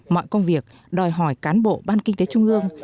mọi công việc đòi hỏi cán bộ ban kinh tế trung ương